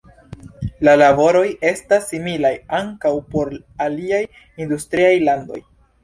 La valoroj estas similaj ankaŭ por aliaj industriaj landoj.